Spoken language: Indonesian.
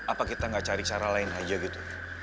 apa kita gak cari cara lain aja gitu